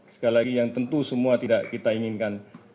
sekali lagi yang tentu semua tidak kita inginkan